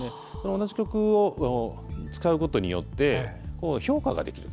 同じ曲を使うことによって評価ができる。